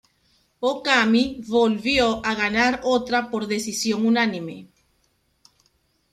Okami volvió a ganar otra por decisión unánime.